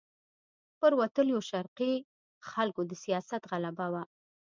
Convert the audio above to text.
پر وتلیو شرقي خلکو د سیاست غلبه وه.